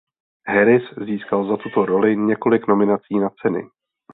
Harris získal za tuto roli několik nominací na ceny.